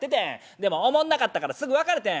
でもおもんなかったからすぐ別れてん。